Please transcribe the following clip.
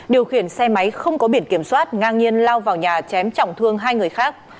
điều khiển xe máy không có biển kiểm soát ngang nhiên lao vào nhà chém trọng thương hai người khác